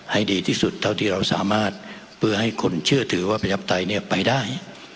ให้ดีที่สุดเท่าที่เราสามารถเพื่อให้คนเชื่อถือว่าประชาปไตยไปได้